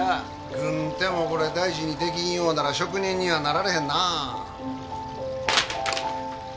軍手もこれ大事に出来んようなら職人にはなられへんなあ。